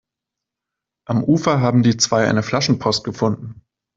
Am Ufer haben die zwei eine Flaschenpost gefunden.